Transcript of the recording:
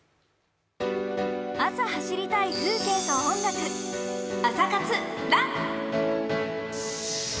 朝走りたいと風景と音楽「朝活ＲＵＮ」。